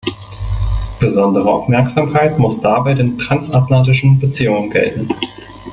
Besondere Aufmerksamkeit muss dabei den transatlantischen Beziehungen gelten.